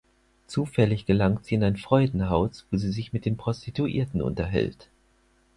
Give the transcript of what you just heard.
Zufällig gelangt sie in ein Freudenhaus, wo sie sich mit den Prostituierten unterhält.